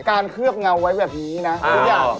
เคลือบเงาไว้แบบนี้นะทุกอย่าง